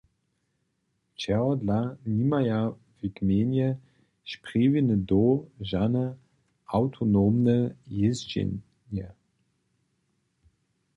Čehodla nimaja w gmejnje Sprjewiny Doł žane awtonomne jězdźenje?